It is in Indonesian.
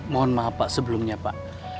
mohon maaf pak sebelumnya pak